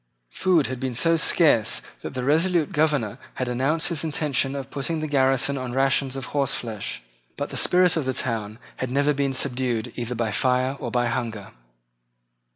Food had been so scarce that the resolute governor had announced his intention of putting the garrison on rations of horse flesh. But the spirit of the town had never been subdued either by fire or by hunger.